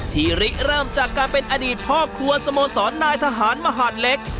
ริเริ่มจากการเป็นอดีตพ่อครัวสโมสรนายทหารมหาดเล็ก